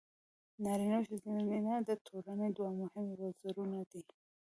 نارینه او ښځینه د ټولنې دوه مهم وزرونه دي.